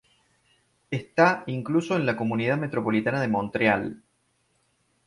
Está incluso en la Comunidad metropolitana de Montreal.